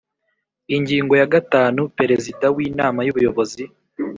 Ingingo ya gatanu Perezida w Inama y Ubuyobozi